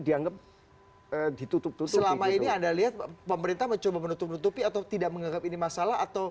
dianggap ditutup selama ini anda lihat pemerintah mencoba menutupi atau tidak menganggap ini masalah